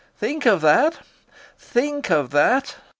Think of that!... Think of that!...